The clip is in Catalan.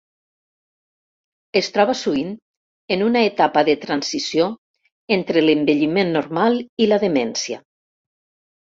Es troba sovint en una etapa de transició entre l'envelliment normal i la demència.